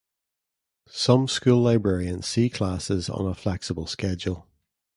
Some school librarians see classes on a "flexible schedule".